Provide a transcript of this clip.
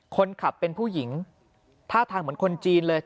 คนขับเป็นผู้หญิงท่าทางเหมือนคนจีนเลย